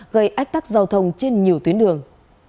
gây ách tắc giao thông trên nhiều tuyến đường